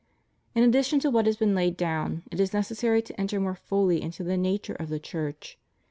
In addition to what has been laid down, it is necessary to enter more fully into the nature of the Church.